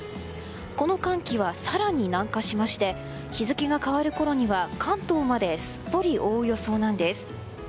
この寒気は、更に南下しまして日付が変わるころには関東まですっぽり覆う予想なんです。